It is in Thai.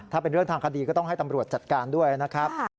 ถ้าเป็นเรื่องทางคดีก็ต้องให้ตำรวจจัดการด้วยนะครับ